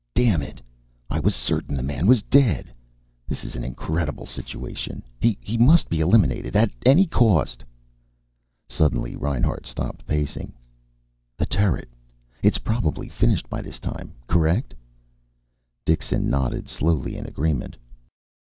"Damn it, I was certain the man was dead. This is an incredible situation. He must be eliminated at any cost." Suddenly Reinhart stopped pacing. "The turret. It's probably finished by this time. Correct?" Dixon nodded slowly in agreement.